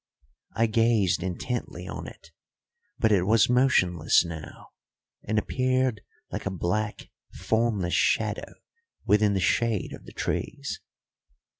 I gazed intently on it, but it was motionless now, and appeared like a black, formless shadow within the shade of the trees.